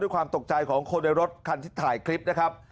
ความตกใจของคนในรถคันที่ถ่ายคลิปนะครับ